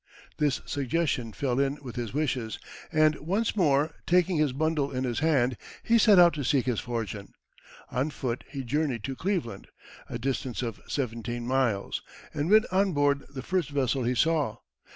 This suggestion fell in with his wishes, and, once more taking his bundle in his hand, he set out to seek his fortune. On foot he journeyed to Cleveland, a distance of seventeen miles, and went on board the first vessel he saw.